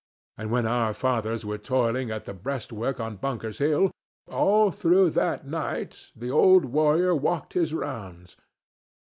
And when our fathers were toiling at the breastwork on Bunker's Hill, all through that night the old warrior walked his rounds.